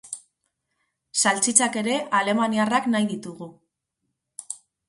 Saltxitxak ere alemaniarrak nahi ditugu.